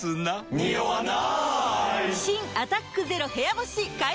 ニオわない！